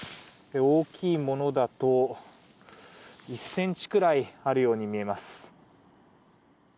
大きいものだと１ｃｍくらいあるように見えます。